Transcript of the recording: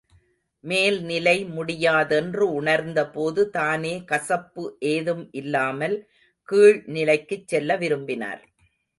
மேல்நிலை முடியாதென்று உணர்ந்தபோது, தானே, கசப்பு ஏதும் இல்லாமல், கீழ் நிலைக்குச் செல்ல விரும்பினார்.